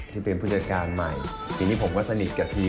ที่เป็นผู้จัดการใหม่ทีนี้ผมก็สนิทกับทีม